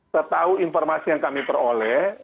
setahu informasi yang kami peroleh